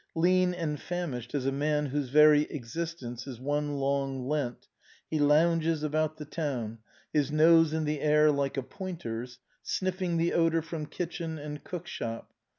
Lean and famished as a man whose very existence is one long Lent, he lounges about the town, his nose in the air like a pointer's, sniffing the odor from kitchen and cook shop.